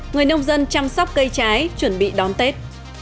người nông dân chăm sóc cây trái chuẩn bị đón tết